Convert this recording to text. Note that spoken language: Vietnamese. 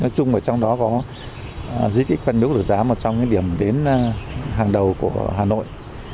nói chung ở trong đó có dịch ít văn miếu được giá một trong những điểm đến hàng đầu của hà nội